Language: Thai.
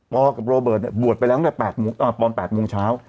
ปอร์กับโรเบิร์นบวชไปแล้วตอน๘โมงเช้า